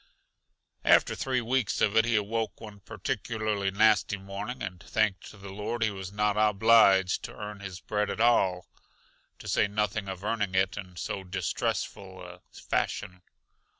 After three weeks of it he awoke one particularly nasty morning and thanked the Lord he was not obliged to earn his bread at all, to say nothing of earning it in so distressful a fashion.